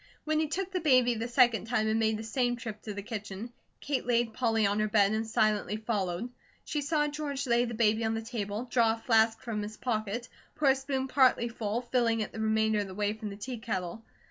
When he took the baby the second time and made the same trip to the kitchen, Kate laid Polly on her bed and silently followed. She saw George lay the baby on the table, draw a flask from his pocket, pour a spoon partly full, filling it the remainder of the way from the teakettle.